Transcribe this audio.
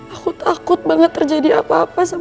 aku takut banget terjadi apa apa sama pangeran